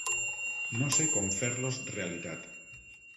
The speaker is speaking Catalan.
No sé com fer-los realitat.